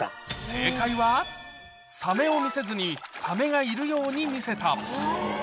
正解はサメを見せずに、サメがいるように見せた。